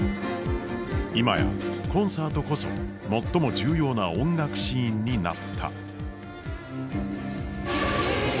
今やコンサートこそ最も重要な音楽シーンになった。